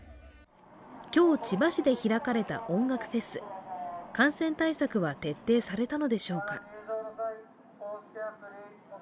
今日、千葉市で開かれた音楽フェス感染対策は徹底されたのでしょうか。